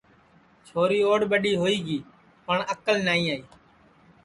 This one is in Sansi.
چھوری اُوڈؔ ٻڈؔی ہوئی گی پٹؔ اکل نائی آئی